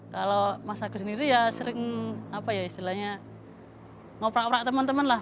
kalau mas agus sendiri ya sering apa ya istilahnya ngoprak orak teman teman lah